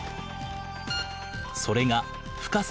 それが深さ